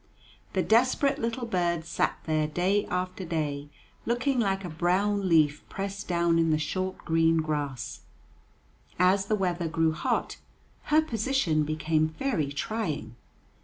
The desperate little bird sat there day after day, looking like a brown leaf pressed down in the short green grass. As the weather grew hot, her position became very trying.